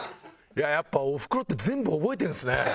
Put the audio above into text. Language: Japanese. やっぱおふくろって全部覚えてるんですね。